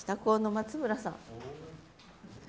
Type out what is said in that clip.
松村さん。